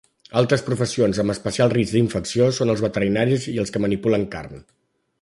Altres professions amb especial risc d'infecció són els veterinaris i els que manipulen carn.